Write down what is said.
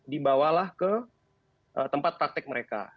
dibawalah ke tempat praktek mereka